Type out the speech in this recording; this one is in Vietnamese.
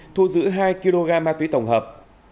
thu giữ hai kg ma túy tổng hợp